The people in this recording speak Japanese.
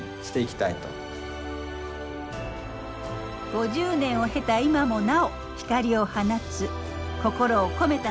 ５０年を経た今もなお光を放つ心を込めた設計。